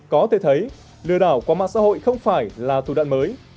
có thể thấy lừa đảo qua mạng xã hội không phải là thủ đoạn mới